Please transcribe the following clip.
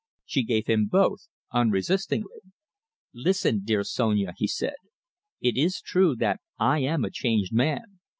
She gave him both unresistingly. "Listen, dear Sonia," he said, "it is true that I am a changed man.